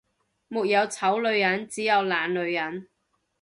沒有醜女人，只有懶女人